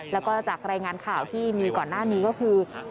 แล้วก็จากรายงานข่าวที่มีก่อนหน้านี้ก็คือ